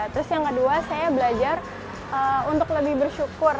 terus yang kedua saya belajar untuk lebih bersyukur